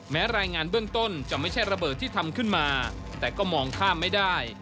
แม้รายงานเบื้องต้นจะไม่ใช่ระเบิดที่ทำขึ้นมาแต่ก็มองข้ามไม่ได้